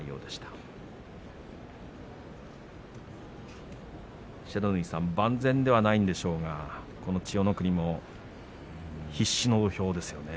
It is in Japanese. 不知火さん、万全ではないんですが千代の国も必死の土俵ですね。